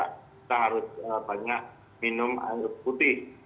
kita harus banyak minum air putih